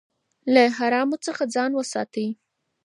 له حرامو څخه ځان وساتئ.